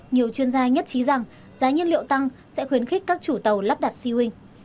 nhiều chuyên gia nhất trí rằng giá nhiên liệu tăng sẽ khuyến khích các chủ tàu lắp đặt seoui